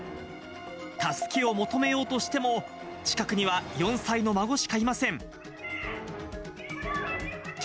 助けを求めようとしても、近くには４歳の孫しかいません。